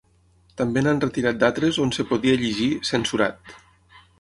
També n’han retirat d’altres on es podia llegir ‘censurat’.